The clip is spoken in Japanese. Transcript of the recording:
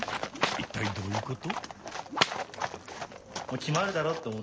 一体どういうこと？